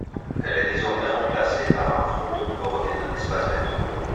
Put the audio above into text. Elle est désormais remplacée par un fronton bordé d'un espace vert.